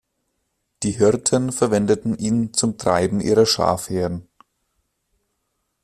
Die Hirten verwendeten ihn zum Treiben ihrer Schafherden.